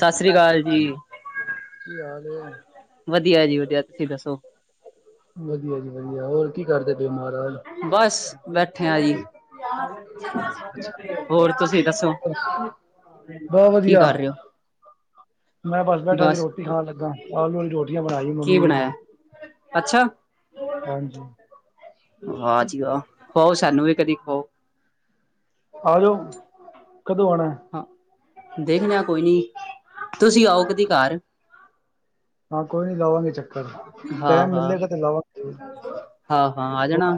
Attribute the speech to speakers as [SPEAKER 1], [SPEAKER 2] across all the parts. [SPEAKER 1] ਸਸ ਰੀ ਕਾਲ ਜੀ।
[SPEAKER 2] ਕੀ ਹਾਲ ਏ?
[SPEAKER 1] ਵਧੀਆ ਜੀ ਵਧੀਆ, ਤੁਸੀਂ ਦੱਸੋ
[SPEAKER 2] ਵਧੀਆ ਜੀ ਵਧੀਆ, ਹੋਰ ਕੀ ਕਰਦੇ ਪਏ ਮਹਾਰਾਜ।
[SPEAKER 1] ਬਸ ਬੈਠੇ ਆ ਜੀ।
[SPEAKER 2] ਅੱਛਾ,
[SPEAKER 1] ਹੋਰ ਤੁਸੀਂ ਦੱਸੋ,
[SPEAKER 2] ਬਹੁਤ
[SPEAKER 1] ਕੀ
[SPEAKER 2] ਵਧੀਆ,
[SPEAKER 1] ਕਰ ਰਹੇ ਹੋ?
[SPEAKER 2] ਮੈਂ ਬਸ ਬੈਠਾ ਸੀ, ਰੋਟੀ ਖਾਣ ਲੱਗਾ, ਆਲੂ ਆਲੀ ਰੋਟੀਆਂ ਬਣਾਈ
[SPEAKER 1] ਕੀ
[SPEAKER 2] ਮੰਮੀ ਨੇ ਅੱਜ।
[SPEAKER 1] ਬਣਾਇਆ ਅੱਛਾ।
[SPEAKER 2] ਹਾਂਜੀ,
[SPEAKER 1] ਵਾਹ ਜੀ ਵਾਹ, ਹੋਰ ਸਾਨੂੰ ਵੀ ਕਦੀ ਖਵਾਓ।
[SPEAKER 2] ਆ ਜਾਓ, ਕਦੋਂ ਆਉਣਾ ਏ?
[SPEAKER 1] ਹਾਂ, ਦੇਖਣੇ ਆ ਕੋਈ ਨੀ, ਤੁਸੀਂ ਆਓ ਕਦੀ ਕਾਰ?
[SPEAKER 2] ਹਾਂ ਕੋਈ ਨੀ, ਲਾਵਾਂਗੇ ਚੱਕ
[SPEAKER 1] ਹਾਂ
[SPEAKER 2] ਟੈਮ
[SPEAKER 1] ਹਾਂ
[SPEAKER 2] ਮਿਲੇਗਾ ਤੇ ਲਾਵਾਂਗੇ ਜ਼ਰੂਰ।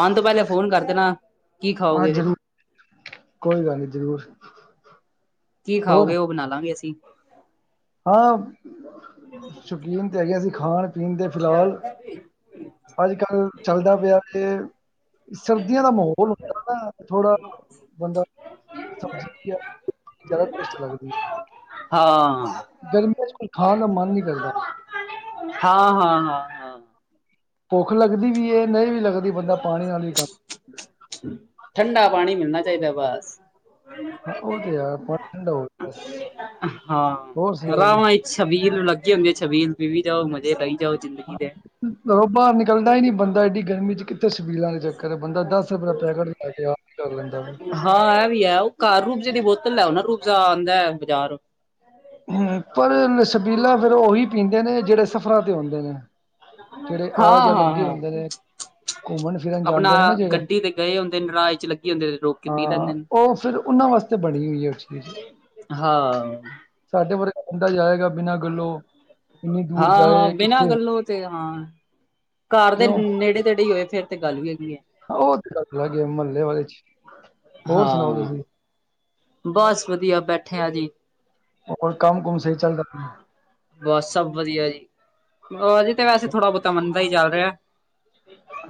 [SPEAKER 1] ਆਣ ਤੋਂ ਪਹਿਲੇ ਫੋਨ ਕਰ ਦੇਣਾ, ਕੀ
[SPEAKER 2] ਹਾਂ
[SPEAKER 1] ਖਾਓਗੇ?
[SPEAKER 2] ਜ਼ਰੂਰ। ਕੋਈ ਗੱਲ ਨੀ, ਜ਼ਰੂਰ।
[SPEAKER 1] ਕੀ
[SPEAKER 2] ਹੋਰ
[SPEAKER 1] ਖਾਓਗੇ? ਉਹ ਬਣਾ ਲਾਂਗੇ ਅਸੀਂ।
[SPEAKER 2] ਹਾਂ, ਸ਼ੌਕੀਨ ਤੇ ਹੈਗੇ ਆ ਅਸੀ ਖਾਣ ਪੀਣ ਦੇ ਫਿਲਹਾਲ ਅੱਜ ਕੱਲ ਚੱਲਦਾ ਪਿਆ ਏ ਸਰਦੀਆਂ ਦਾ ਮਾਹੌਲ ਹੁੰਦਾ ਨਾ, ਥੋੜਾ ਬੰਦਾ ਸਬਜ਼ੀਆਂ ਜ਼ਿਆਦਾ ਟੇਸਟ ਲੱਗਦੀ।
[SPEAKER 1] ਹਾਂ।
[SPEAKER 2] ਗਰਮੀਆਂ ਚ ਕੋਈ ਖਾਣ ਦਾ ਮਨ ਨਹੀਂ ਕਰਦਾ।
[SPEAKER 1] ਹਾਂ-ਹਾਂ-ਹਾਂ।
[SPEAKER 2] ਭੁੱਖ ਲੱਗਦੀ ਵੀ ਏ, ਨਹੀਂ ਵੀ ਲੱਗਦੀ, ਬੰਦਾ ਪਾਣੀ ਨਾਲ ਵੀ ਕ
[SPEAKER 1] ਠੰਡਾ ਪਾਣੀ ਮਿਲਣਾ ਚਾਈਦਾ ਬਸ।
[SPEAKER 2] ਹਾਂ ਉਹ ਤੇ ਯਾਰ ਪਾਣੀ ਠੰਡਾ ਹੋ ਗਿਆ ਬਸ
[SPEAKER 1] ਹਾਂ,
[SPEAKER 2] ਹੋਰ ਸੁਣਾਓ ਜੀ
[SPEAKER 1] ਰਾਵਾਹ ਈ ਛਬੀਲ ਲੱਗੀ ਹੁੰਦੀ ਏ, ਛਬੀਲ ਪੀ ਵੀ ਜਾਓ, ਮਜ਼ੇ ਲਈ ਜਾਓ। ਜ਼ਿੰਦਗੀ ਦੇ
[SPEAKER 2] ਘਰੋਂ ਬਾਹਰ ਨਿਕਲਦਾ ਈ ਨੀ ਬੰਦਾ, ਏਡੀ ਗਰਮੀ ਚ ਕਿ ਤੇ ਸਬੀਲਾਂ ਦੇ ਚੱਕਰ ਏ, ਬੰਦਾ ਦਸ ਰੁਪਏ ਦਾ ਪੈਕੇਟ ਲੇਆ ਕੇ, ਆਪ ਈ ਕਰ ਲੈਂਦਾ ਵੇ।
[SPEAKER 1] ਹਾਂ ਏਹ ਵੀ ਹੈ, ਉਹ ਕਾਰ ਰੂਬਜ਼ੇ ਦੀ ਬੋਤਲ ਲੈਓ ਨਾ, ਰੂਬਜ਼ਾ ਆਉਂਦਾ ਬਾਜ਼ਾਰ।
[SPEAKER 2] ਹੂੰ ਪਰ ਨ ਸ਼ਬੀਲਾ ਫਿਰ ਉਹੀ ਪੀਂਦੇ ਨੇ, ਜਿਹੜੇ ਸਫ਼ਰਾਂ ਤੇ ਆਉਦੇ ਨੇ। ਜਿਹੜੇ ਆ ਜਾ ਲੱਗੇ
[SPEAKER 1] ਹਾਂ-ਹਾਂ-ਹਾਂ।
[SPEAKER 2] ਹੁੰਦੇ ਨੇ ਘੁੰਮਣ ਫਿਰਨ
[SPEAKER 1] ਅਪਣਾ
[SPEAKER 2] ਜਾਂਦੇ ਨੇ ਨਾ ਜਿਹੜੇ
[SPEAKER 1] ਗੱਡੀ ਤੇ ਗਏ ਹੁੰਦੇ ਨੇ, ਰਾਹ ਚ ਲੱਗੀ ਹੁੰਦੇ ਤੇ ਰੋਕ ਕੇ ਪੀ
[SPEAKER 2] ਹਾਂ
[SPEAKER 1] ਲੈਂਦੇ ਨੇ।
[SPEAKER 2] ਉਹ ਫਿਰ ਉਹਨਾਂ ਵਾਸਤੇ ਬਣੀ ਹੋਈ ਹੈ ਉਹ ਚੀਜ਼।
[SPEAKER 1] ਹਾਂ।
[SPEAKER 2] ਸਾਡੇ ਵਰਗਾ ਬੰਦਾ ਜਾਏਗਾ, ਬਿਨਾਂ ਗੱਲੋਂ ਇੰਨੀ ਦੂਰ
[SPEAKER 1] ਹਾਂ-ਹਾਂ,
[SPEAKER 2] ਜਾਏ
[SPEAKER 1] ਬਿਨਾਂ
[SPEAKER 2] ਕਿੱਥੇ ਹੋ
[SPEAKER 1] ਗੱਲੋਂ ਤੇ ਹਾਂ, ਕਾਰ ਦੇ
[SPEAKER 2] ਕਿਉਂ ਹਾਂ,
[SPEAKER 1] ਨੇੜੇ ਤੇੜੇ ਹੀ ਹੋਏ, ਫੇਰ ਤੇ ਗੱਲ ਵੀ ਹੈਗੀ ਹੈ।
[SPEAKER 2] ਉਹ ਤੇ ਗੱਲ ਅਲਗ ਹੈ ਮਹੱਲੇ ਵਾਲੇ ਚ, ਹੋਰ ਸੁਣਾਓ
[SPEAKER 1] ਹਾਂ
[SPEAKER 2] ਤੁਸੀਂ?
[SPEAKER 1] ਬਸ ਵਧੀਆ, ਬੈਠੇ ਆ ਜੀ।
[SPEAKER 2] ਹੋਰ ਕੰਮ ਕੁਮ ਸਈ ਚੱਲਦਾ ਪੇਆ ਏ।
[SPEAKER 1] ਬਸ ਸਭ ਵਧੀਆ ਜੀ, ਅਜੇ ਤੇ ਵੈਸੇ
[SPEAKER 2] ਚਲੋ,
[SPEAKER 1] ਥੋੜਾ ਬਹੁਤਾ ਮੰਨਦਾ ਈ ਚੱਲ ਰਿਆ।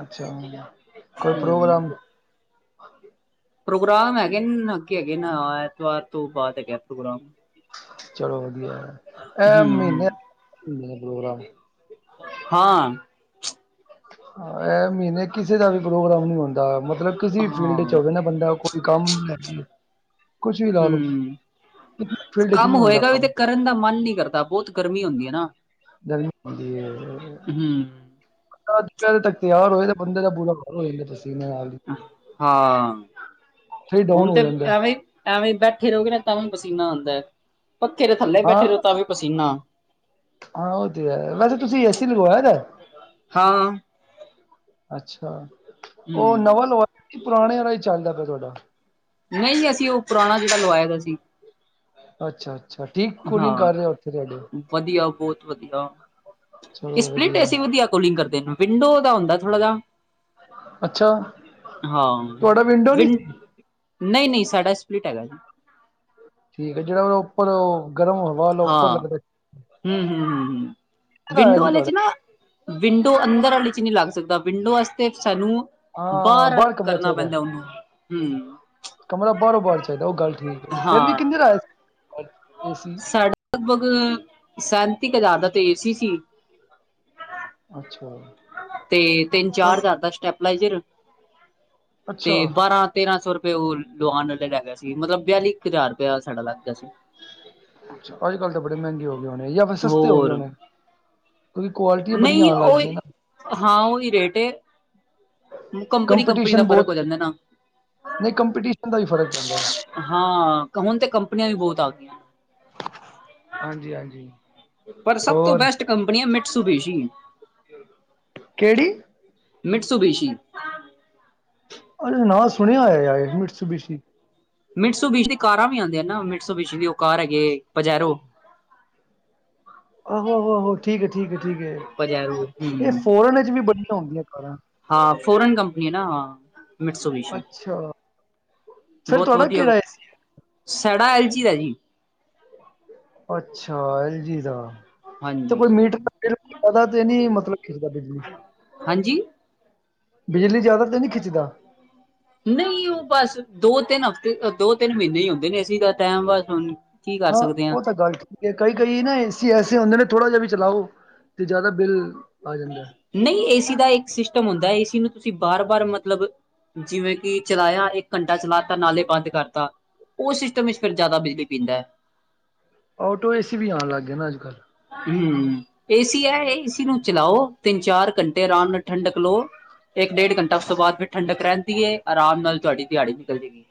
[SPEAKER 2] ਅੱਛਾ, ਕੋਈ
[SPEAKER 1] ਹਮ
[SPEAKER 2] ਪ੍ਰੋਗਰਾਮ?
[SPEAKER 1] ਪ੍ਰੋਗਰਾਮ ਹੈਗੇ ਨੇ, ਨ ਅਗੇ ਹੈਗੇ ਨਾ, ਐਤਵਾਰ ਤੋਂ ਬਾਅਦ ਹੈਗਾ ਏ ਪ੍ਰੋਗਰਾਮ।
[SPEAKER 2] ਚਲੋ ਵਧੀਆ ਏ, ਏਹ ਮਹੀਨੇ,
[SPEAKER 1] ਹਮ ਹਮ
[SPEAKER 2] ਮੀਨੇ ਦੇ ਪ੍ਰੋਗਰਾਮ।
[SPEAKER 1] ਹਾਂ।
[SPEAKER 2] ਏਹ ਮਹੀਨੇ ਕਿਸੇ ਦਾ ਵੀ ਪ੍ਰੋਗਰਾਮ ਨਹੀਂ ਹੁੰ ਦਾ ਮਤਲਬ, ਕਿਸੀ ਵੀ ਫੀਲਡ ਇੱਚ
[SPEAKER 1] ਹਾਂ
[SPEAKER 2] ਹੋਵੇ ਨਾ ਬੰਦਾ, ਕੋਈ ਕੰਮ ਲੈ ਗਏ, ਕੁਛ ਵੀ ਲਾ ਲੋੋ।
[SPEAKER 1] ਹਮ
[SPEAKER 2] ਵੀ ਫਿਲਡ ਚ
[SPEAKER 1] ਕੰਮ
[SPEAKER 2] ਨਹੀਂ ਹੁੰਦਾ
[SPEAKER 1] ਹੋਏਗਾ ਵੀ ਤੇ
[SPEAKER 2] ਕੰਮ।
[SPEAKER 1] ਕਰਨ ਦਾ ਮਨ ਨਈ ਕਰਦਾ, ਬਹੁਤ ਗਰਮੀ ਹੁੰਦੀ ਹੈ ਨਾ।
[SPEAKER 2] ਗਰਮੀ ਹੂੰਦੀ ਏ।
[SPEAKER 1] ਹਮ
[SPEAKER 2] [unintelligible] ਤੱਕ ਤਿਆਰ ਹੋਏ ਤਾਂ ਬੰਦੇ ਦਾ ਬੁਰਾ ਹਾਲ ਹੋ ਜਾਂਦਾ ਪਸੀਨੇ ਨਾਲ ਜੀ।
[SPEAKER 1] ਹਾਂ,
[SPEAKER 2] ਫਿਰ ਡਾਊਨ
[SPEAKER 1] ਹੁਣ ਤੇ
[SPEAKER 2] ਹੋ ਜਾਂਦਾ
[SPEAKER 1] ਐ
[SPEAKER 2] ਹੈ।
[SPEAKER 1] ਵੇ ਐਵੇਂ ਈ ਬੈਠੇ ਰਹੋਗੇ ਨਾ, ਤਾਂ ਵੀ ਪਸੀਨਾ ਆਂਦਾ ਹੈ। ਪੱਥੇ ਦੇ ਥੱਲੇ
[SPEAKER 2] ਹਾਂ
[SPEAKER 1] ਬੈਠੇ ਰੋ, ਤਾਂ ਵੀ ਪਸੀਨਾ।
[SPEAKER 2] ਹਾਂ ਉਹ ਤੇ ਹੈ, ਵੈਸੇ ਤੁਸੀਂ ਏ ਸੀ ਲਗਵਾਇਆ ਦਾ ਏ।
[SPEAKER 1] ਹਾਂ
[SPEAKER 2] ਅੱਛਾ ਉਹ
[SPEAKER 1] ਹਮ
[SPEAKER 2] ਨਵਾਂ ਲਵਾ ਪੁਰਾਣੇ ਹੀ ਚੱਲਦਾ ਪਿਆ ਤੁਹਾਡਾ
[SPEAKER 1] ਨਹੀਂ ਅਸੀਂ ਉਹ ਪੁਰਾਣਾ ਜਿਹੜਾ ਲਵਾਇਆ ਦਾ ਸੀ।
[SPEAKER 2] ਅੱਛਾ ਅੱਛਾ ਠੀਕ ਕੂਲਿੰਗ
[SPEAKER 1] ਹਾਂ
[SPEAKER 2] ਕਰ ਰਿਹਾ ਉੱਥੇ ਤੁਹਾਡੇ
[SPEAKER 1] ਵਧੀਆ ਬਹੁਤ ਵਧੀਆ, ਸਪਲਿੰਟ ਐਸੀ ਵਧੀਆ ਕੋਲਿੰਗ ਕਰਦੇ ਨੇ, ਵਿੰਡੋ ਦਾ ਹੁੰਦਾ ਥੋੜਾ ਜਾ
[SPEAKER 2] ਅੱਛਾ
[SPEAKER 1] ਹਾਂ
[SPEAKER 2] ਤੁਹਾਡਾ ਵਿੰਡੋ
[SPEAKER 1] ਵਿ
[SPEAKER 2] ਨਹੀਂ ਸੀ
[SPEAKER 1] ਨਹੀਂ ਨਹੀਂ ਸਾਡਾ ਸਪਲਿਟ ਹੈਗਾ ਜੀ।
[SPEAKER 2] ਠੀਕ ਜਿਹੜਾ ਉਹਦਾ ਉਪਰ ਉਹ ਗਰਮ ਹਵਾ ਉਹਾ ਉੱਪਰ ਲੱਗਦਾ।
[SPEAKER 1] ਹਮ ਹਮ ਹਮ ਹਮ
[SPEAKER 2] ਕਿੰਨੇ ਦਾ ਆਇਆ
[SPEAKER 1] ਵਿੰਡੋ
[SPEAKER 2] ਸੀ
[SPEAKER 1] ਵਾਲੇ ਚ
[SPEAKER 2] ਤੁਹਾਡਾ
[SPEAKER 1] ਨਾ ਵਿੰਡੋ ਅੰਦਰ ਆਲੀ ਚ ਨਈ ਲੱਗ ਸਕਦਾ ਵਿੰਡੋ ਅਸਤੇ ਸਾਨੂੰ
[SPEAKER 2] ਹਾਂ
[SPEAKER 1] ਬਾਹਰ
[SPEAKER 2] ਬਰ ਕਮਰਾ
[SPEAKER 1] ਕਰਨਾ
[SPEAKER 2] ਚਾਹੀਦਾ
[SPEAKER 1] ਪੈਂਦਾ ਉਹਨੂੰ ਹੂੰ
[SPEAKER 2] ਕਮਰਾ ਬਾਰੋ-ਬਾਰ ਚਾਇਦਾ, ਉਹ ਗੱਲ ਠੀਕ ਏ। ਫਿਰ ਵੀ
[SPEAKER 1] ਹਾਂ
[SPEAKER 2] ਕਿੰਨੇ ਦਾ ਆਇਆ ਸੀ ਏ ਸੀ?
[SPEAKER 1] ਸਾਡਾ ਲਗਭਗ ਸੈਂਤੀ ਕਜ਼ਾਰ ਦਾ ਤੇਜ਼ ਸੀ ਸੀ
[SPEAKER 2] ਅੱਛਾ
[SPEAKER 1] ਤੇ ਤਿੰਨ ਚਾਰ
[SPEAKER 2] ਚਲੋ
[SPEAKER 1] ਜ਼ਿਆਦਾ ਸਟੈਪਲਾਈਜਰ ਤੇ
[SPEAKER 2] ਅੱਛਾ
[SPEAKER 1] ਬਾਰਾਂ, ਤੇਰਾਂ ਸੌ ਰੁਪਏ ਉਹ ਲਉਣ ਵਾਲੇ ਲੈ ਗਿਆ ਸੀ ਮਤਲਬ ਬਿਆਲੀ ਇੱਕ ਹਜ਼ਾਰ ਰੁਪਇਆ ਸਾਡਾ ਲੱਗ ਗਿਆ ਸੀ।
[SPEAKER 2] ਅੱਛਾ ਅੱਜ ਕੱਲ ਤਾਂ ਬੜੇ ਮਹਿੰਗੇ ਹੋ ਗਏ ਹੋਣੇ ਜਾਂ ਫਿਰ ਸਸਤੇ ਹੋ ਗਏ
[SPEAKER 1] ਹੋਰ
[SPEAKER 2] ਹੋਣੇ ਕਿਉਂਕਿ ਕੁਆਲਟੀ
[SPEAKER 1] ਨਹੀਂ ਉਹੀ ਹਾਂ ਉਹੀ ਰੇਟ ਹੈ।
[SPEAKER 2] ਕੰਪੀਟੀਸ਼ਨ ਬਹੁਤ
[SPEAKER 1] ਫ਼ਰਕ ਹੋ ਜਾਂਦਾ ਨਾ
[SPEAKER 2] ਨਹੀਂ ਕੰਪੀਟੀ ਦਾ ਵੀ ਫਰਕ ਪੈਂਦਾ
[SPEAKER 1] ਹਾਂ ਹੁਣ ਤੇ ਕੰਪਨੀਆਂ ਵੀ ਬਹੁਤ ਆ ਗਈਆਂ
[SPEAKER 2] ਹਾਂਜੀ ਹਾਂਜੀ
[SPEAKER 1] ਪਰ ਸਭ ਤੋਂ ਬੈਸਟ ਕੰਪਨੀ ਆ ਮਿਟਸਬੇਸ਼ੀ
[SPEAKER 2] ਕਿਹੜੀ?
[SPEAKER 1] ਮਿਟਸੂ ਬਸ਼ੀ
[SPEAKER 2] ਅ ਨਾਂ ਸੁਣਿਆ ਹੋਇਆ ਯ ਐਡਮਿਟ
[SPEAKER 1] ਮਿੰਨ ਸੌ ਬੀਸ ਦੀ ਕਾਰਾਂ ਵੀ ਆਉਂਦੀਆਂ ਨਾ ਮਿੰਠ ਸੌ ਬ ਦੀ ਉਹ ਕਾਰ ਹੈਗੇ ਪਜੈਰੋ
[SPEAKER 2] ਆਹੋ ਆਹੋ ਆਹੋ ਠੀਕ ਹੈ ਠੀਕ ਹੈ ਠੀਕ ਹੈ
[SPEAKER 1] ਪਜੈਰੋ
[SPEAKER 2] ਇਹ
[SPEAKER 1] ਹੂੰ
[SPEAKER 2] ਫੋਰਨ ਵਿਚ ਵੀ ਬੜੀਆਂ ਆਉਂਦੀਆਂ ਕਾਰਾਂ,
[SPEAKER 1] ਹਾਂ ਫੋਰਨ ਕੰਪਨੀ ਹੈ ਨਾ ਮਠ ਸੌ ਵੀਸ
[SPEAKER 2] ਅੱਛਾ ਫਿਰ
[SPEAKER 1] ਬਹੁਤ
[SPEAKER 2] ਤੁਹਾਡਾ
[SPEAKER 1] ਵਧੀਆ
[SPEAKER 2] ਕਿਹੜਾ ਏ ਸੀ
[SPEAKER 1] ਸੜਾ ਐਲਚ ਦਾ ਜੀ
[SPEAKER 2] ਅੱਛਾ ਐਲਜੀ ਦਾ ਤੇ
[SPEAKER 1] ਹਾਂਜੀ
[SPEAKER 2] ਕੋਈ ਮੀਟਰ ਬਿਲ ਪਦਾ ਤੇ ਨਹੀਂੀ ਮਤਲਬ ਖਿਰਦਾ ਬਿਜਲੀ
[SPEAKER 1] ਹਾਂਜੀ
[SPEAKER 2] ਬਿਜਲੀ ਜ਼ਿਆਦਾ ਤੇ ਨਹੀਂੀ ਖਿੱਚਦਾ
[SPEAKER 1] ਨਹੀਂ ਉਹ ਬਸ ਦੋ ਤਿੰਨ ਹਫ਼ਤੇ ਦੋ ਤਿੰਨ ਮਹੀਨੇ ਹੀ ਹੁੰਦੇ ਨੇ ਅ ਸੀ ਦਾ ਟਮ ਬਸ ਹੁਣ ਕੀ ਕਰ
[SPEAKER 2] ਹਾਂ
[SPEAKER 1] ਸਕਦੇ
[SPEAKER 2] ਉਹ ਤਾਂ ਗੱਲ ਠੀਕ, ਕਈ ਕਈ ਨਾ ਏ ਸੀ ਐਸੇ ਹੁੰਦੇ ਨੇ ਥੋੜ੍ਹਾ ਜਿਹਾ ਵੀ ਚਲਾਓ ਅਤੇ ਜ਼ਿਆਦਾ ਬਿੱਲ ਆ ਜਾਂਦਾ।
[SPEAKER 1] ਨਹੀਂ ਏਸੀ ਦਾ ਇੱਕ ਸਿਸਟਮ ਹੁੰਦਾ ਏਸੀ ਨੂੰ ਤੁਸੀਂ ਬਾਰ ਵਾਰ ਮਤਲਬ ਜਿਵੇਂ ਕਿ ਚਲਾਇਆ ਇੱਕ ਘੰਟਾ ਚਲਾ ਤਾ ਨਾਲੇ ਬੰਦ ਕਰਤਾ। ਉਹ ਸਿਸਟਮ ਵਿੱਚ ਫਿਰ ਜ਼ਿਆਦਾ ਬਿਜਲੀ ਪੀਂਦਾ ਹੈ
[SPEAKER 2] ਆਟੋ ਏ ਸੀ ਵੀ ਆਉਣ ਲੱਗ ਗਏ ਨਾ ਅੱਜ ਕੱਲ੍ਹ
[SPEAKER 1] ਹਮ ਏਸੀ ਹੈ ਏਸੀ ਨੂੰ ਚਲਾਓ ਤਿੰਨ ਚਾਰ ਘੰਟੇ ਆਰਾਮ ਨਾਲ ਠੰਡਕ ਲਓ। ਇੱਕ ਡੇਢ ਘੰਟਾ ਉਸ ਤੋਂ ਬਾਅਦ ਫਿਰ ਠੰਡਕ ਰਹਿੰਦੀਏ ਆਰਾਮ ਨਾਲ ਤੁਹਾਡੀ ਦਿਹਾੜੀ ਨਿਕਲ ਜਾਏਗੀ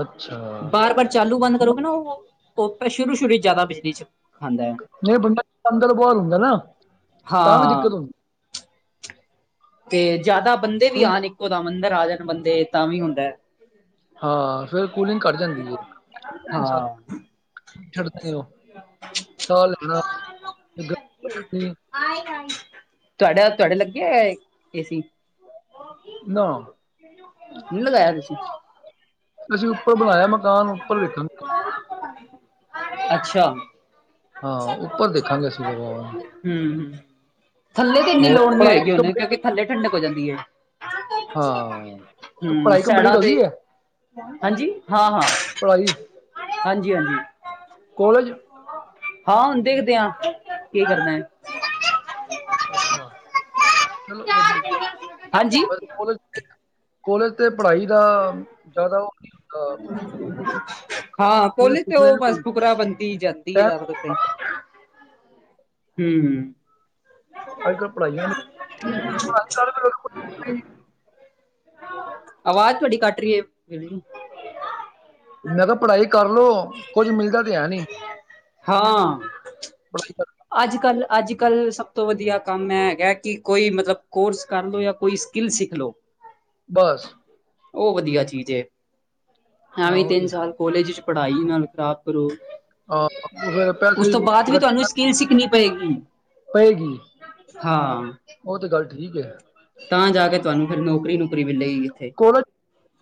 [SPEAKER 2] ਅੱਛਾ
[SPEAKER 1] ਬਾਰ ਬਾਰ ਚਾਲੂ ਬੰਦ ਕਰੋਗੇ ਨਾ ਉਹ ਉਹ ਪਰ ਸ਼ੁਰੂ ਸ਼ੁਰੂ ਜ਼ਿਆਦਾ ਬਿਜਲੀ ਚ ਖਾਂਦਾ ਹੈ
[SPEAKER 2] ਨਹੀਂ ਬੰਡਾ ਅੰਦਰ ਬੁਹਾਲ ਹੁੰਦਾ ਨਾ ਤਾਂ ਵੀ
[SPEAKER 1] ਹਾਂ
[SPEAKER 2] ਦਿੱਕਤ ਹੁੰਦੀ
[SPEAKER 1] ਤੇ ਜਿਆਦਾ ਬੰਦੇ ਵੀ
[SPEAKER 2] ਕੂਲ
[SPEAKER 1] ਆਉਣ ਇੱਕੋ ਦਮ ਅੰਦਰ ਆ ਜਾਣ ਬੰਦੇ ਤਾਂ ਵੀ ਹੁੰਦਾ।
[SPEAKER 2] ਹਾਂ ਫੇਿਰ ਕੂਲਿੰਗ ਕੱਟ ਜਾਂਦੀ ਹੈ ਇਨਸ
[SPEAKER 1] ਹਾਂ
[SPEAKER 2] ਛੱਡ ਨੇ ਉਹ ਸਾਹ ਲੈਣਾ
[SPEAKER 1] ਤੁਆਡਾ ਤੁਆਡੇ ਲੱਗੇਆ ਏ ਏਸੀ।
[SPEAKER 2] ਨਾ
[SPEAKER 1] ਨਹੀਂ ਲਗਾਇਆ, ਤੁਸੀਂ?
[SPEAKER 2] ਅਸੀਂ ਉੱਪਰ ਬਣਾਇਆ ਮਕਾਨ ਉੱਪਰ ਵੇਖਣ
[SPEAKER 1] ਅੱਛਾ।
[SPEAKER 2] ਹਾਂ ਉੱਪਰ ਦੇਖਾਂਗੇ ਅਸੀਂ ਲੋਵਾਂ ਨੂੰ
[SPEAKER 1] ਹਮ ਹ ਥੱਲੇ ਤੇ ਇੰਨੀ
[SPEAKER 2] ਹੋਰ
[SPEAKER 1] ਲੋੜ ਨਹੀਂੀ
[SPEAKER 2] ਪੜ੍ਹਾਈ
[SPEAKER 1] ਹੋਏਗੀ ਉਹਨੇ
[SPEAKER 2] ਕੰਪਲੀਟ
[SPEAKER 1] ਕਿਉਂਕਿ ਥੱਲੇ ਠੰਡਕ ਹੋ ਜਾਂਦੀ ਹੈ
[SPEAKER 2] ਹਾਂ
[SPEAKER 1] ਹੂੰ
[SPEAKER 2] ਪੜ੍ਹਾਈ ਕੰਪਲੀਟ
[SPEAKER 1] ਸੈਡਾਂ
[SPEAKER 2] ਹੋ
[SPEAKER 1] ਤੇ
[SPEAKER 2] ਗਈ ਹੈ
[SPEAKER 1] ਹਾਂਜੀ ਹਾਂ-ਹਾਂ।
[SPEAKER 2] ਪੜ੍ਹਾਈ।
[SPEAKER 1] ਹਾਂਜੀ, ਹਾਂਜੀ
[SPEAKER 2] ਕੋਲਜ
[SPEAKER 1] ਹਾਂ, ਹੁਣ ਦੇਖਦੇ ਹਾਂ, ਕੀ ਕਰਨਾ ਹੈ?
[SPEAKER 2] ਅੱਛਾ ਚਲੋ
[SPEAKER 1] ਹਾਂਜੀ
[SPEAKER 2] ਵਧ [unintelligible] [unintelligible] ਕੋਲੇਜ ਤੇ ਪੜ੍ਹਾਈ ਦਾ ਜ਼ਿਆਦਾ ਉਹ ਨਹੀਂ ਹੁੰਦਾ।
[SPEAKER 1] ਹਾਂ
[SPEAKER 2] ਸਕਿੱਲ
[SPEAKER 1] ਕੋਲੇਜ ਤੇ
[SPEAKER 2] ਸਿੱਖ
[SPEAKER 1] ਓ
[SPEAKER 2] ਲੈਣਾ
[SPEAKER 1] ਬਸ
[SPEAKER 2] ਕੋਈ
[SPEAKER 1] ਫੁਕਰਾ ਬੰਨਤੀ ਜਾਂਦੀ ਏ ਜਾਦੋ ਉੱਤੇ। ਹੂੰ,
[SPEAKER 2] ਅੱਜ
[SPEAKER 1] ਹੂੰ।
[SPEAKER 2] ਅੱਜ ਕੱਲ ਪੜ੍ਹਾਈਆਂ ਨੀ ਪੜਾਈ ਕਰ ਕੋਈ ਮੈਂ
[SPEAKER 1] ਆਵਾਜ਼ ਤੁਹਾਡੀ ਕੱਟ ਰਹੀ ਹੈ, ਜੀ।
[SPEAKER 2] ਮੈਂ ਕਿਆ, ਪੜ੍ਹਾਈ ਕਰਲੋ। ਕੁੱਝ ਮਿਲਦਾ ਤੇ ਹੈ ਨੀ,
[SPEAKER 1] ਹਾਂ
[SPEAKER 2] ਪੜਾਈ ਕਰ।
[SPEAKER 1] ਅੱਜ ਕੱਲ੍ਹ, ਅੱਜ ਕੱਲ੍ਹ ਸਭ ਤੋਂ ਵਧੀਆ ਕੰਮ ਇਹ ਹੈਗਾ ਕਿ ਕੋਈ ਮਤਲਬ ਕੋਰਸ ਕਰ ਲਉ ਜਾਂ ਕੋਈ ਸਕਿਲ ਸਿਖ ਲਓ।
[SPEAKER 2] ਬਸ।
[SPEAKER 1] ਉਹ ਵਧੀਆ ਚੀਜ਼ ਏ,
[SPEAKER 2] ਹਾਂ
[SPEAKER 1] ਐਵੇਂ
[SPEAKER 2] ਉਹ
[SPEAKER 1] ਤਿੰਨ
[SPEAKER 2] ਤੇ ਹੈ
[SPEAKER 1] ਸਾਲ ਕੋਲੇਜ ਚ ਪੜ੍ਹਾਈ ਨਾਲ, ਖ਼ਰਾਬ ਕਰੋ।
[SPEAKER 2] ਹਾਂ ਫਿਰ
[SPEAKER 1] ਉਸ
[SPEAKER 2] ਪੈਸੇ
[SPEAKER 1] ਤੋਂ ਬਾਅਦ ਵੀ ਤੁਹਾਨੂੰ
[SPEAKER 2] ਇਕੱਠੇ
[SPEAKER 1] ਸਕਿੱਲ ਸਿੱਖਣੀ ਪਏਗੀ।
[SPEAKER 2] ਪਏਗੀ
[SPEAKER 1] ਹਾਂ।
[SPEAKER 2] ਉਹ ਤੇ ਗੱਲ ਠੀਕ ਹੈ।
[SPEAKER 1] ਤਾਂ ਜਾ ਕੇ ਤੁਹਾਨੂੰ ਫੇਰ, ਨੌਕਰੀ ਨੂੰ ਵੇਲੇ [unintelligible] [unintelligible]
[SPEAKER 2] ਕੋਲਜ,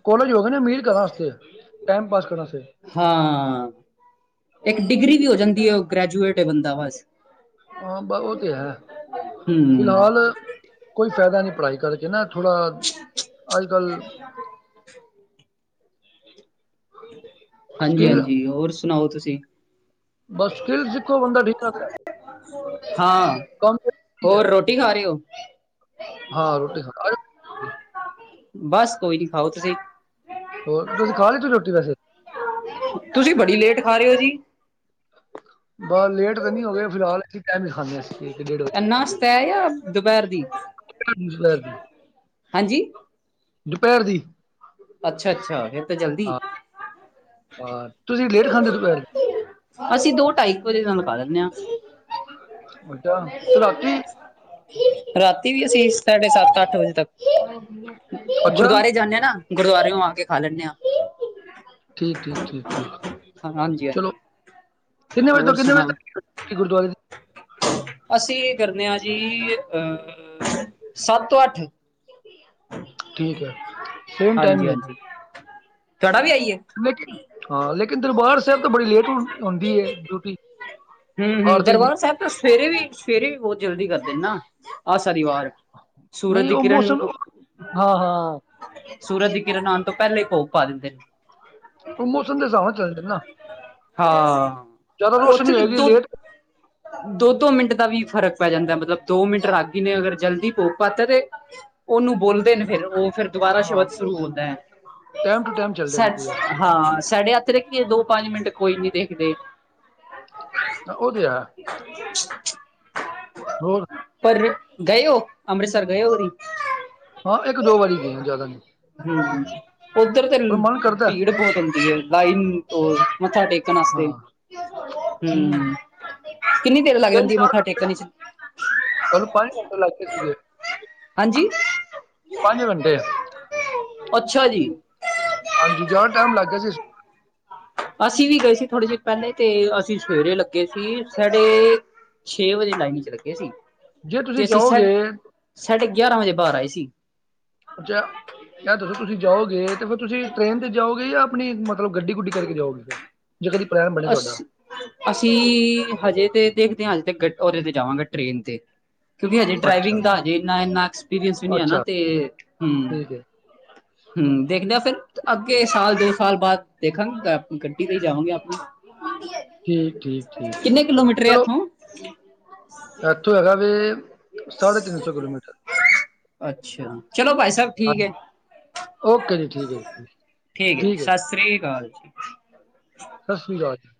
[SPEAKER 2] ਕੋਲਜ ਹੋ ਗੇ ਨੇ ਅਮੀਰ ਘਰਾਂ ਵਸਤੇ ਟਾਈਮ ਪਾਸ ਕਰਨ ਵਾਸਤੇ।
[SPEAKER 1] ਹਾਂ, ਇੱਕ ਡਿਗਰੀ ਵੀ ਹੋ ਜਾਂਦੀ ਹੈ, ਗ੍ਰੈਜੂਏਟ ਏ ਬੰਦਾ ਬਸ।
[SPEAKER 2] ਹਾਂ, ਉਹ ਤੇ ਹੈ
[SPEAKER 1] ਹਮ
[SPEAKER 2] ਫਿਲਹਾਲ, ਕੋਈ ਫਾਇਦਾ ਨੀ ਪੜ੍ਹਾਈ ਕਰਕੇ ਨਾ। ਥੋੜ੍ਹਾ, ਅਜ ਕੱਲ।
[SPEAKER 1] ਹਾਂਜੀ,
[SPEAKER 2] ਸਕਿੱਲ
[SPEAKER 1] ਹਾਂਜੀ ਹੋਰ ਸੁਣਾਓ ਤੁਸੀਂ?
[SPEAKER 2] ਬਸ, ਸਕਿਲ ਸਿੱਖੋ ਬੰਦਾ ਠੀਕ ਰੇਂਦਾ।
[SPEAKER 1] ਹਾਂ।
[SPEAKER 2] ਜ਼ਰੂਰੀ ਹੈ
[SPEAKER 1] ਹੋਰ, ਰੋਟੀ ਖਾ ਰਹੇ ਹੋ?
[SPEAKER 2] ਹਾਂ, ਰੋਟੀ ਖਾ ਰੇ।
[SPEAKER 1] ਬਸ, ਕੋਈ ਨੀ ਖਾਓ ਤੁਸੀਂ।
[SPEAKER 2] ਹੋਰ, ਤੁਸੀਂ ਖਾ ਲੈਤੀ ਰੋਟੀ ਵੈਸੇ।
[SPEAKER 1] ਤੁਸੀਂ ਬੜੀ ਲੇਟ ਖਾ ਰਹੇ ਹੋ, ਜੀ।
[SPEAKER 2] ਬਸ ਲੇਟ ਤਾਂ ਨੀ ਹੋ ਗਏ ਫਿਲਹਾਲ ਇਸੀਂ ਟਾਈਮ ਹੀ ਖਾਂਦੇ ਆਂ।
[SPEAKER 1] ਇਹ ਨਾਸਤਾ ਹੈ ਜਾਂ ਦੁਪਹਿਰ ਦੀ
[SPEAKER 2] ਦੁਪਹਿਰ ਦੀ
[SPEAKER 1] ਹਾਂਜੀ।
[SPEAKER 2] ਦੁਪਹਿਰ ਦੀ।
[SPEAKER 1] ਅੱਛਾ ਅੱਛਾ ਫਿਰ ਤਾਂ ਜਲਦੀ
[SPEAKER 2] ਹਾਂ, ਹਹ ਤੁਸੀਂ ਲੇਟ ਖਾਂਦੇ ਦੁਪਹਿਰ।
[SPEAKER 1] ਅਸੀਂ, ਦੋ ਢਾਈ ਕ ਵਜੇ ਨਾਲ ਖਾ ਲੈਨੇ ਹਾਂ।
[SPEAKER 2] ਅੱਛਾ, ਤੇ ਰਾਤੀ।
[SPEAKER 1] ਰਾਤੀ ਵੀ ਅਸੀਂ, ਸਾਢੇ ਸੱਤ ਅੱਠ ਵਜੇ ਤੱਕ,
[SPEAKER 2] ਅੱਛਾ
[SPEAKER 1] ਗੁਰਦੁਆਰੇ ਜਾਂਦੇ ਹਾਂ ਨਾ। ਗੁਰਦੁਆਰੇਓ ਆ ਕੇ ਖਾ ਲੈਂਦੇ ਹਾਂ।
[SPEAKER 2] ਠੀਕ, ਠੀਕ, ਠੀਕ,
[SPEAKER 1] ਹਾਂਜੀ
[SPEAKER 2] ਠੀਕ ਚਲੋ।
[SPEAKER 1] ਹਾਂਜੀ
[SPEAKER 2] ਕਿੰਨੇ ਵਜੇ ਤੋਂ
[SPEAKER 1] ਹੋਰ
[SPEAKER 2] ਕਿੰਨੇ
[SPEAKER 1] ਸੁਣਾਓ।
[SPEAKER 2] ਵਜੇ ਤੱਕ ਗੁਰਦੁਆਰੇ ਦੀ
[SPEAKER 1] ਅਸੀਂ ਕਰਨੇ ਹਾਂ ਜੀ, ਅਹ ਸੱਤ ਤੋਂ ਅੱਠ।
[SPEAKER 2] ਠੀਕ ਹੈ ਸੇਮ ਟਾਈਮ
[SPEAKER 1] ਹਾਂਜੀ,
[SPEAKER 2] ਹੀ
[SPEAKER 1] ਹਾਂਜੀ ਤੁਅਡਾ ਵੀ ਆਈਏ?
[SPEAKER 2] ਲੇਕਿਨ ਹਾਂ, ਲੇਕਿਨ ਦਰਬਾਰ ਸਾਹਿਬ ਤਾਂ ਬੜੀ ਲੇਟ ਆਉਂਦੀ ਹੈ ਡਿਊਟੀ।
[SPEAKER 1] ਹੁ, ਹੁ
[SPEAKER 2] ਆਰਤੀ ਦੀ
[SPEAKER 1] ਦਰਬਾਰ ਸਾਹਿਬ ਤਾਂ ਸਵੇਰੇ ਵੀ ਸਵੇਰੇ ਵੀ ਬਹੁਤ ਜਲਦੀ ਕਰਦੇ ਨੇ ਨਾ। ਆਹ ਸਨੀਵਾਰ, ਸੂਰਜ
[SPEAKER 2] ਨਹੀਂ
[SPEAKER 1] ਦੀ
[SPEAKER 2] ਉਹ
[SPEAKER 1] ਕਿਰਨ
[SPEAKER 2] ਮੌਸਮ ਹਾਂ- ਹਾਂ।
[SPEAKER 1] ਸੂਰਜ ਦੀ ਕਿਰਨ ਆਉਣ ਤੋਂ ਪਹਿਲੇ ਹੀ ਭੋਗ ਪਾ ਦਿੰਦੇ ਨੇ।
[SPEAKER 2] ਮੌਸਮ ਦੇ ਹਿਸਾਬ ਨਾਲ ਚੱਲਦੇ ਨਾ।
[SPEAKER 1] ਹਾਂ,
[SPEAKER 2] ਜ਼ਿਆਦਾ
[SPEAKER 1] ਓਥੇ
[SPEAKER 2] ਰੋਸ਼ਨੀ
[SPEAKER 1] ਦੁੱ
[SPEAKER 2] ਹੋਏਗੀ ਲੇਟ
[SPEAKER 1] ਦੋ- ਦੋ ਮਿੰਟ ਦਾ ਵੀ ਫ਼ਰਕ ਪੈ ਜਾਂਦਾ, ਮਤਲਬ ਦੋ ਮਿੰਟ ਰਾਗੀ ਨੇ ਅਗਰ ਜਲਦੀ ਭੋਗ ਪਾਤਾ ਤੇ ਉਹਨੂੰ ਬੋਲਦੇ ਨੇ ਫਿਰ ਉਹ ਫਿਰ ਦੁਬਾਰਾ
[SPEAKER 2] ਹਾਂ
[SPEAKER 1] ਸ਼ਬਦ ਸ਼ੁਰੂ ਹੋਦਾ ਹੈ।
[SPEAKER 2] ਟਾਈਮ ਟੂ ਟਾਈਮ ਚੱਲਦੇ ਨੇ
[SPEAKER 1] ਸੱਚ
[SPEAKER 2] ਪੂਰੇ
[SPEAKER 1] ਹਾਂ ਸਾਡੇ ਹੱਥ ਰੱਖੀਏ ਦੋ ਪੰਜ ਮਿੰਟ ਕੋਈ ਨੀ ਦੇਖਦੇ।
[SPEAKER 2] ਤਾਂ, ਓ ਗੇਆ, ਹੋਰ?
[SPEAKER 1] ਪਰ ਗਏ ਹੋ ਅੰਮ੍ਰਿਤਸਰ ਗਏ ਹੋ ਕਦੀ?
[SPEAKER 2] ਹਾਂ, ਏਕ-ਦੋ ਵਾਰੀ ਗੇਆਂ, ਜਾਦਾ ਨੀ।
[SPEAKER 1] ਹੂੰ, ਉੱਧਰ ਤੇ
[SPEAKER 2] ਪਰ ਮਨ ਕਰਦਾ ਹੈ।
[SPEAKER 1] ਭੀੜ ਬਹੁਤ ਹੁੰਦੀ ਹੈ ਲਾਈ ਤੋਂ ਮੱਥਾ ਟੇਕ ਟੇਕਣ
[SPEAKER 2] ਹਾਂ
[SPEAKER 1] ਆਸਤੇ। ਹੂੰ ਕਿੰਨੀ ਦੇਰ ਲੱਗ
[SPEAKER 2] ਤਿੰਨ
[SPEAKER 1] ਜਾਂਦੀ
[SPEAKER 2] ਚਾਰ
[SPEAKER 1] ਮੱਥਾ
[SPEAKER 2] ਘੰਟੇ
[SPEAKER 1] ਟੇਕਣ ਵਿੱਚ?
[SPEAKER 2] ਸਾਨੂੰ ਪੰਜ ਘੰਟੇ ਲੱਗ ਕੇ ਸੀਗੇ।
[SPEAKER 1] ਹਾਂਜੀ?
[SPEAKER 2] ਪੰਜ ਘੰਟੇ
[SPEAKER 1] ਅੱਛਾ ਜੀ।
[SPEAKER 2] ਹਾਂਜੀ ਜਿਆਦਾ ਟਾਈਮ ਲੱਗ ਗਿਆ ਸੀ।
[SPEAKER 1] ਅਸੀਂ ਵੀ ਗਏ ਸੀ ਥੋੜੇ ਜਿਹੇ ਪਹਿਲੇ ਤੇ ਅਸੀਂ ਸਵੇਰੇ ਲੱਗੇ ਸੀ ਸਾਡੇ ਛੇ ਵਜੇ ਲਾਈਨ ਚ ਲੱਗੇ ਸੀ,
[SPEAKER 2] ਜੇ
[SPEAKER 1] ਤੇ
[SPEAKER 2] ਤੁਸੀਂ
[SPEAKER 1] ਅਸੀਂ ਸਾ,
[SPEAKER 2] ਜਾਓਗੇ
[SPEAKER 1] ਸਾਢੇ ਗਿਆਰਾਂ ਵਜੇ ਬਾਹਰ ਆਏ ਸੀ।
[SPEAKER 2] ਅੱਛਾ, ਜਦੋਂ ਤੁਸੀਂ ਜਾਓਗੇ ਤੇ ਫਿਰ ਤੁਸੀਂ ਟ੍ਰੇਨ ਤੇ ਜਾਓਗੇ ਜਾਂ ਆਪਣੀ ਮਤਲਬ ਗੱਡੀ-ਗੁੱਡੀ ਕਰਕੇ ਜਾਓਗੇ ਫਿਰ ਜੇ ਕਦੀ ਪਲੈਨ ਬਣੇ
[SPEAKER 1] ਅਸ
[SPEAKER 2] ਤੁਹਾਡਾ?
[SPEAKER 1] ਅਸੀਂ ਹਜੇ ਤੇ ਦੇਖਦੇ ਹਾਂ ਹਜੇ ਤੇ ਉਹਦੇ ਤੇ ਜਾਵਾਂਗੇ ਟ੍ਰੇਨ ਤੇ। ਕਿਉਂਕਿ ਹਜੇ ਡਰਾਈਵਿੰਗ
[SPEAKER 2] ਅੱਛਾ
[SPEAKER 1] ਦਾ ਹਜੇ ਇੰਨਾ ਇੰਨਾ ਐਕਸਪੀਰੀਅੰਸ ਵੀ ਨੀ ਹੈ ਨਾ
[SPEAKER 2] ਅੱਛਾ
[SPEAKER 1] ਤੇ ਹੂੰ।
[SPEAKER 2] ਠੀਕ ਹੈ।
[SPEAKER 1] ਹੂੰ ਦੇਖਦੇ ਫਿਰ ਅੱਗੇ ਸਾਲ ਦੋ ਸਾਲ ਬਾਅਦ ਦੇਖਾਂਗੇ ਗੱਡੀ ਤੇ ਹੀ ਜਾਵਾਂਗੇ ਆਪਣੀ।
[SPEAKER 2] ਠੀਕ ਠੀਕ ਠੀਕ
[SPEAKER 1] ਕਿੰਨੇ ਕਿਲੋਮੀਟਰ ਆ
[SPEAKER 2] ਚਲੋ
[SPEAKER 1] ਇੱਥੋਂ?
[SPEAKER 2] ਇੱਥੋਂ ਹੈਗਾ ਵੇ ਸਾਢੇ ਤਿੰਨ ਸੌ ਕਿਲੋਮੀਟਰ।
[SPEAKER 1] ਅੱਛਾ, ਚਲੋ ਭਾਈ ਸਹਿਬ ਠੀਕ ਹੈ।
[SPEAKER 2] ਹਾਂਜੀ ਓਕੇ ਜੀ ਠੀਕ ਹੈ ਜੀ
[SPEAKER 1] ਠੀਕ ਹੈ ਜੀ ਸਤਿ ਸ੍ਰੀ ਅਕਾਲ ਜੀ।
[SPEAKER 2] ਸਤਿ ਸ਼੍ਰੀ ਅਕਾਲ ਜੀ।